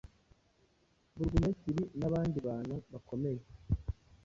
Burugumesitiri n’abandi bantu bakomeye